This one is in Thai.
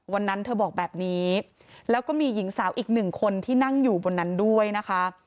วันนั้นเธอบอกแบบนี้แล้วก็มีหญิงสาวอีกหนึ่งคนที่นั่งอยู่บนนั้นด้วยนะคะ